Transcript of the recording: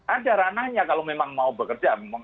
ada ranahnya kalau memang mau bekerja